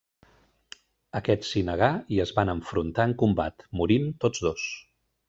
Aquest s'hi negà i es van enfrontar en combat, morint tots dos.